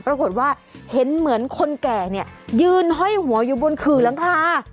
ปรากฏว่าเห็นเหมือนคนแก่เนี่ยยืนห้อยหัวอยู่บนขื่อหลังคา